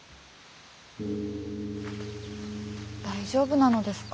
大丈夫なのですか？